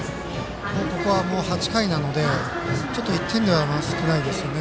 ここは８回なのでちょっと、１点では少ないですね。